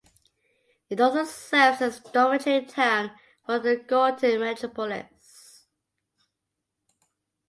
It also serves as a dormitory town for the Gauteng metropolis.